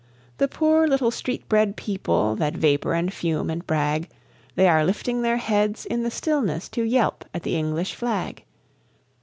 The poor little street bred people that vapour and fume and brag, They are lifting their heads in the stillness to yelp at the English Flag!